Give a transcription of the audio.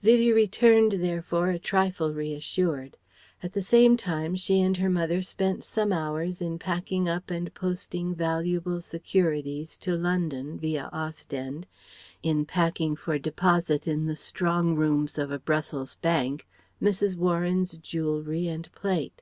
Vivie returned therefore a trifle reassured. At the same time she and her mother spent some hours in packing up and posting valuable securities to London, via Ostende, in packing for deposit in the strong rooms of a Brussels bank Mrs. Warren's jewellery and plate.